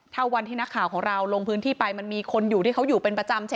ถ้าวันที่นักข่าวของเราลงพื้นที่ไปมันมีคนอยู่ที่เขาอยู่เป็นประจำใช่ไหม